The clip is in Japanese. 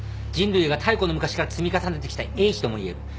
人類が太古の昔から積み重ねてきた英知ともいえる。